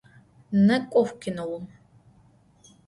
Nêk'ox kinoum!